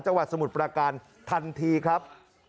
จังหวัดสมุทรปราการทันทีครับ